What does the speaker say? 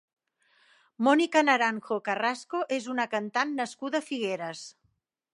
Mónica Naranjo Carrasco és una cantant nascuda a Figueres.